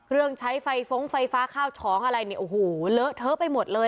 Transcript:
ใช้ไฟฟ้องไฟฟ้าข้าวช้องอะไรเนี่ยโอ้โหเลอะเทอะไปหมดเลย